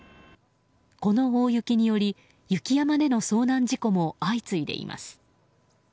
この大雪により雪山での遭難事故も相次いでいます。